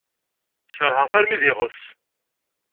Keṛheɣ-t armi d iɣes.